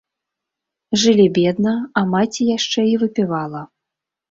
Жылі бедна, а маці яшчэ і выпівала.